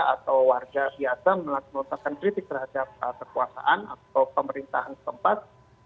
atau warga biasa melakukan kritik terhadap kekuasaan atau pemerintahan tempat